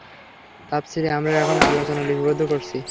তাফসীরে আমরা এসব আলোচনা লিপিবব্ধ করেছি।